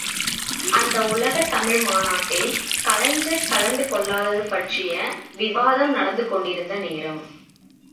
அந்த உலகத் தமிழ் மாநாட்டில் கலைஞர் கலந்து கொள்ளாதது பற்றிய விவாதம் நடந்து கொண்டிருந்த நேரம்!